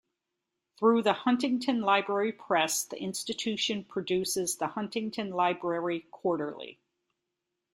Through the Huntington Library Press, the institution produces the Huntington Library Quarterly.